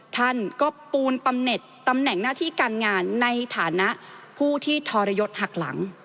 ท่านก็ปูนปำเน็ตตำแหน่งหน้าที่การงานในฐานะผู้ที่ทรยศหักหลัง